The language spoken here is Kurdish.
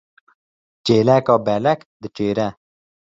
Çêleka belek diçêre.